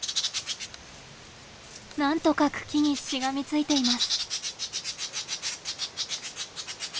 何とか茎にしがみついています。